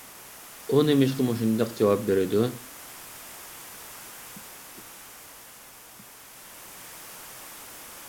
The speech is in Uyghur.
ئۇ نېمىشقا مۇشۇنداق جاۋاب بېرىدۇ؟